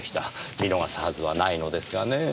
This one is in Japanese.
見逃すはずはないのですがねえ。